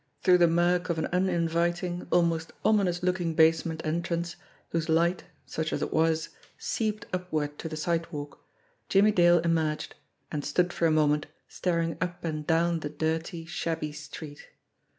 Through the murk of an uninviting, almost ominous looking basement en trance, whose light, such as it was, seeped upward to the sidewalk, Jimmie Dale emerged, and stood for a moment staring up and down the dirty, shabby street.